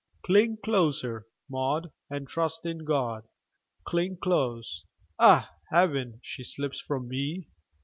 "Cling closer, Maud, and trust in God! Cling close! Ah, heaven, she slips from me!"